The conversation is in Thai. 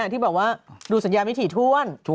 ที่แบบว่าดูสัญญาไม่ถี่ถ้วน